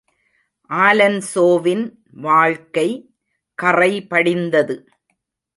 ஆலன்சோவின் வாழ்க்கை கறைபடிந்தது.